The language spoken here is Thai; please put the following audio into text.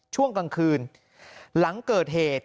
ช่วงกลางคืนหลังเกิดเหตุ